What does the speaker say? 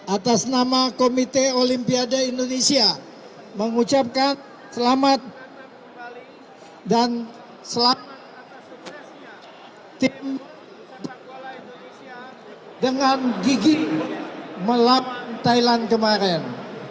atas nama komite olimpiade indonesia mengucapkan selamat dan selamat tim dengan gigi melawan thailand kemarin